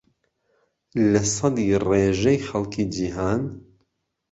لەسەدی ڕێژەی خەڵکی جیھان